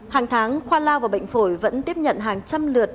hàng tháng khoa lao và bệnh phổi vẫn tiếp nhận hàng trăm lượt